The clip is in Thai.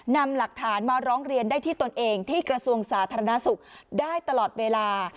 นำหลักฐานมาร้องเรียนได้ที่ตนเองที่กระทรวงสาธารณสุขได้ตลอดเวลา